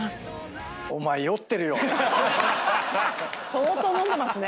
相当飲んでますね。